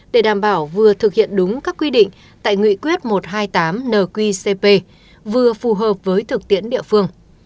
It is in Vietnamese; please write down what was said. để đảm bảo vừa thực hiện đúng các quy định tại nghị quyết một trăm hai mươi tám nqcp vừa phù hợp với thực tiễn địa phương